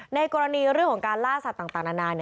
ในกรณีเรื่องของการล่าสัตว์ต่างนานา